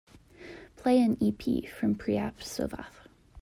Play an ep from Preap Sovath.